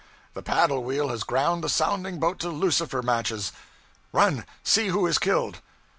the paddle wheel has ground the sounding boat to lucifer matches! Run! See who is killed!'